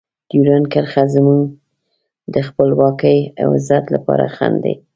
ډیورنډ کرښه زموږ د خپلواکۍ او عزت لپاره خنډ دی.